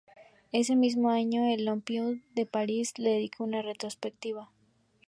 Ese mismo año, el Pompidou de París le dedica una retrospectiva.